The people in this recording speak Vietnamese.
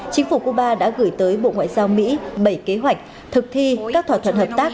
chính phủ cuba đã gửi tới bộ ngoại giao mỹ bảy kế hoạch thực thi các thỏa thuận hợp tác